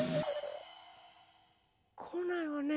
こないわね。